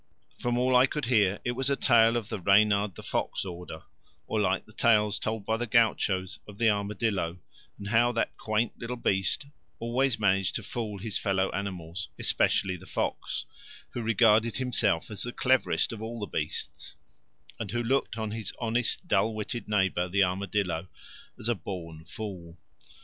From all I could hear it was a tale of the Reynard the Fox order, or like the tales told by the gauchos of the armadillo and how that quaint little beast always managed to fool his fellow animals, especially the fox, who regarded himself as the cleverest of all the beasts and who looked on his honest, dull witted neighbour the armadillo as a born fool.